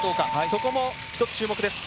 そこも、一つ注目です。